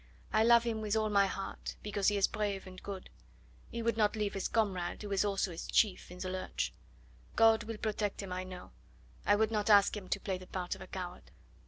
"I love him with all my heart, because he is brave and good. He could not leave his comrade, who is also his chief, in the lurch. God will protect him, I know. I would not ask him to play the part of a coward."